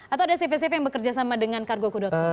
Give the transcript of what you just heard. atau ada cv cp yang bekerja sama dengan kargoku com